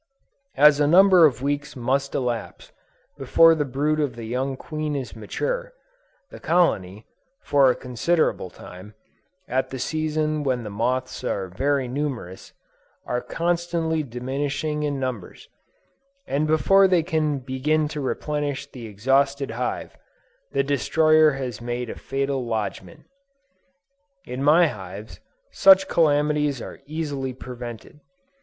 As a number of weeks must elapse before the brood of the young queen is mature, the colony, for a considerable time, at the season when the moths are very numerous, are constantly diminishing in numbers, and before they can begin to replenish the exhausted hive, the destroyer has made a fatal lodgment. In my hives, such calamities are easily prevented.